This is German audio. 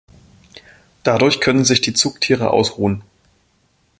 Dadurch können sich die Zugtiere ausruhen.